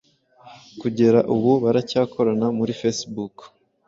Kugera ubu baracyakorana muri Facebook.